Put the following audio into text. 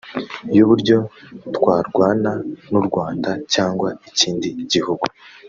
y’uburyo twarwana n’u Rwanda cyangwa ikindi gihugu